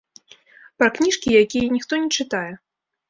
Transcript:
Пра кніжкі, якія ніхто не чытае.